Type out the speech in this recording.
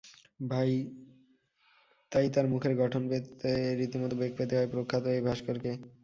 তাই তাঁর মুখের গঠন পেতে রীতিমতো বেগ পেতে হয় প্রখ্যাত এই ভাস্করকে।